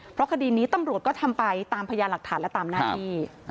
เพราะคดีนี้ตำรวจก็ทำไปตามพยานหลักฐานและตามหน้าที่